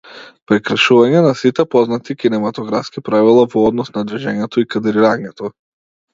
Прекршување на сите познати кинематографски правила во однос на движењето и кадрирањето.